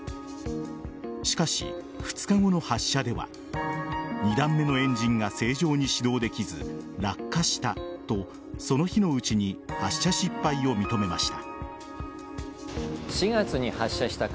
しかし、２日後の発射では２段目のエンジンが正常に始動できず落下したとその日のうちに発射失敗を認めました。